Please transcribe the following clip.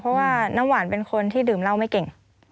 เพราะว่าน้ำหวานเป็นคนที่ดื่มเหล้าไม่เก่ง